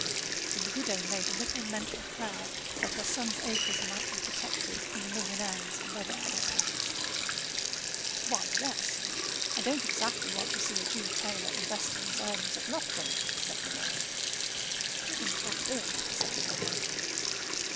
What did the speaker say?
And the widow made a little mental prayer that her son's acres might be protected from the millionnaires and other Philistines. "Why, yes: I don't exactly want to see a Jew tailor investing his earnings at Lufton," said the lord. "Heaven forbid!" said the widow.